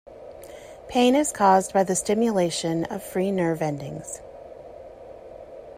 Pain is caused by the stimulation of free nerve endings.